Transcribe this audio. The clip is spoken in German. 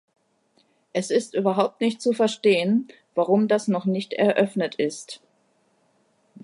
Es ist überhaupt nicht zu verstehen, warum das noch nicht eröffnet ist.